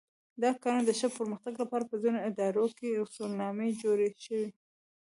د کارونو د ښه پرمختګ لپاره په ځینو ادارو کې اصولنامې جوړې شوې.